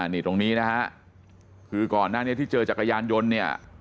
นี่ตรงนี้นะฮะคือก่อนหน้านี้ที่เจอจักรยานยนต์เนี่ย